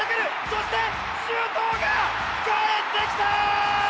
そして周東がかえってきた！